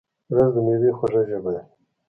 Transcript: رس د مېوې خوږه ژبه ده